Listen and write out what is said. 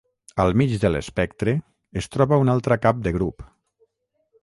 Al mig de l’espectre es troba una altra cap de grup.